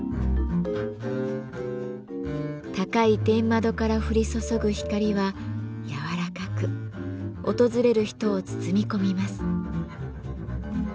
高い天窓から降り注ぐ光は柔らかく訪れる人を包み込みます。